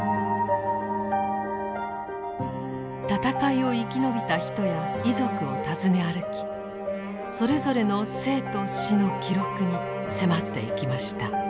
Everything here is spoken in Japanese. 戦いを生き延びた人や遺族を訪ね歩きそれぞれの生と死の記録に迫っていきました。